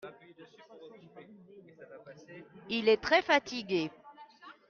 Il est très fatigué.